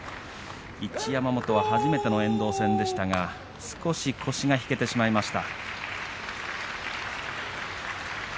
一山本初めての遠藤戦少し腰が引けてしまいました。